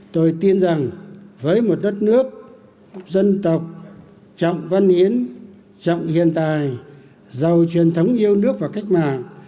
tôi tin rằng với một đất nước dân tộc trọng văn hiến trọng hiện tài giàu truyền thống yêu nước và cách mạng